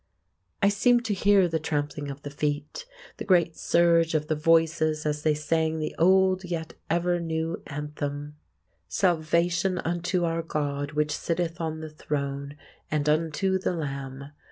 I seemed to hear the trampling of the feet, the great surge of the voices as they sang the old yet ever new anthem— "Salvation unto our God which sitteth on the throne, and unto the Lamb.